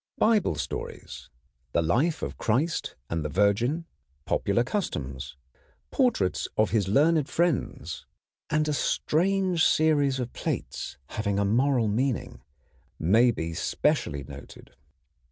Bible stories, the life of Christ and the Virgin, popular customs, portraits of his learned friends, and a strange series of plates having a moral meaning may be specially noted.